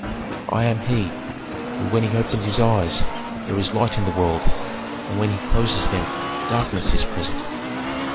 Chorus II. "I am He who when he opens his eyes there is light in the world and when he closes them darkness is present."